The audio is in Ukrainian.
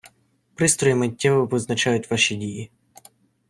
Пристрої миттєво визначають ваші дії.